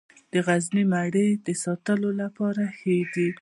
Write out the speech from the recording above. د غزني مڼې د ساتلو لپاره ښې دي.